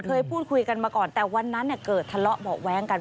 เคยพูดคุยกันมาก่อนแต่วันนั้นเกิดทะเลาะเบาะแว้งกัน